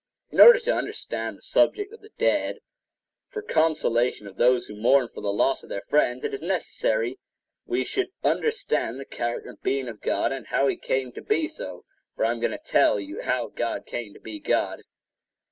In order to understand the subject of the dead, for consolation of those who mourn for the loss of their friends, it is necessary we should understand the character and being of God and how he came to be so; for I am going to tell you how God came to be God.